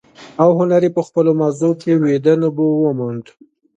او هنري په خپلو ماغزو کې ويده نبوغ وموند.